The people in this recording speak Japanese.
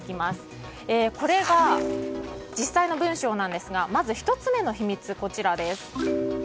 これが実際の文章ですがまず１つ目の秘密、こちらです。